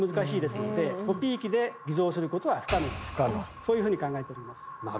そういうふうに考えてます。